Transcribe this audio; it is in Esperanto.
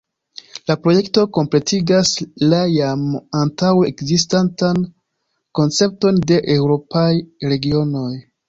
La projekto kompletigas la jam antaŭe ekzistantan koncepton de eŭropaj regionoj.